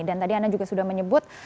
dan tadi anda juga sudah menyebut